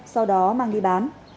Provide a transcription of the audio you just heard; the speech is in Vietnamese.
sau đó mang đi bán